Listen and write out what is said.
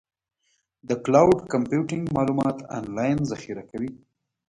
د کلاؤډ کمپیوټینګ معلومات آنلاین ذخیره کوي.